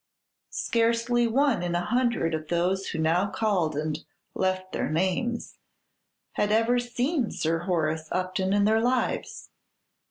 Scarcely one in a hundred of those who now called and "left their names" had ever seen Sir Horace Upton in their lives.